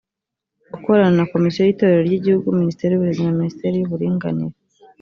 gukorana na komisiyo y itorero ry igihugu ministeri y uburezi na minisiteri y uburinganire